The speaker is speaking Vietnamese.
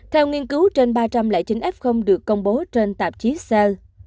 theo nghiên cứu trên ba trăm linh chín f được công bố trên tạp chí cer